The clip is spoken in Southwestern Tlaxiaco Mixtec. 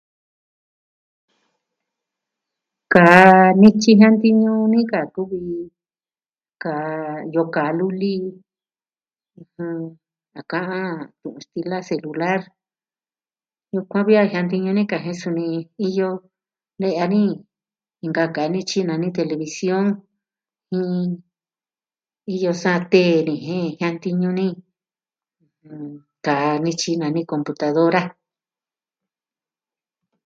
Kaa nityi jiantiñu ni ka kuvi kaa, yo'o kaa luli, ɨjɨn... tu'un stila celular. Yukuan vi a jiantiñu ni ka jen suni iypo ne'ya ni inka kaa nityi nani television. jɨn... Iyo sa tee ni jen jiantiñu ni kaa nityi nani ji komputadora.